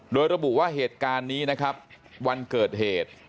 โดยระบุว่าเหตุการณ์นี้นะครับวันเกิดเหตุ